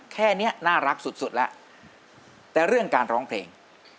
แค่นี้น่ารักสุดสุดแล้วแต่เรื่องการร้องเพลง